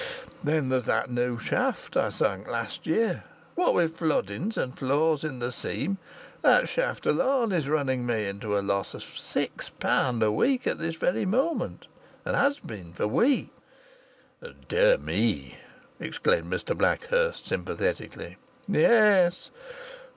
Then there's that new shaft I sunk last year. What with floodings, and flaws in the seam, that shaft alone is running me into a loss of six pound a week at this very moment, and has been for weeks." "Dear me!" exclaimed Mr Blackhurst, sympathetically. "Yes!